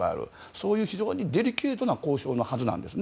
そういうデリケートな交渉のはずなんです。